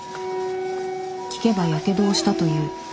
聞けばやけどをしたという。